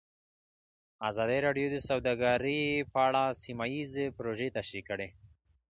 ازادي راډیو د سوداګري په اړه سیمه ییزې پروژې تشریح کړې.